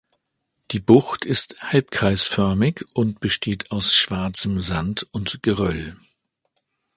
Die Bucht ist halbkreisförmig und besteht aus schwarzem Sand und Geröll.